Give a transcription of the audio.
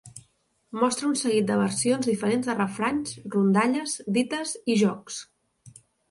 Mostre un seguit de versions diferents de refranys, rondalles, dites i jocs.